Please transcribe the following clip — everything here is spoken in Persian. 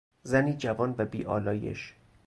زنی جوان و بیآلایش